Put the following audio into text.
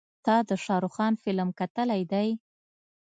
تا د شارخ خان فلم کتلی دی.